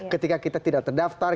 ketika kita tidak terdaftar